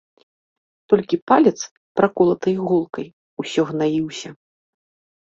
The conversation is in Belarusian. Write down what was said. Толькі палец, праколаты іголкай, усё гнаіўся.